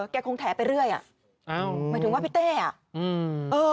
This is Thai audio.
แกคงแถไปเรื่อยหมายถึงว่าพี่เต้